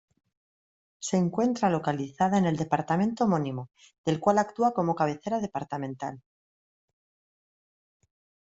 Se encuentra localizada en el departamento homónimo, del cual actúa como cabecera departamental.